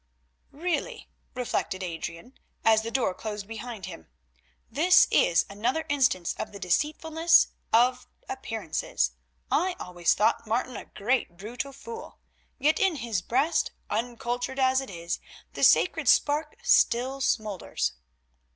"Really," reflected Adrian, as the door closed behind him, "this is another instance of the deceitfulness of appearances. I always thought Martin a great, brutal fool, yet in his breast, uncultured as it is, the sacred spark still smoulders."